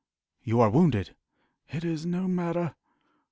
"You are wounded!" "It is no matter."